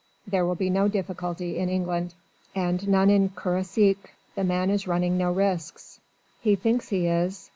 There will be no difficulty in England." "And none in Le Croisic. The man is running no risks." "He thinks he is.